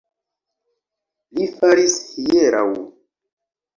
Li faris hieraŭ